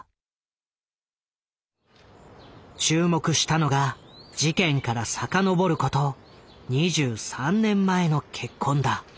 注目したのが事件から遡ること２３年前の結婚だ。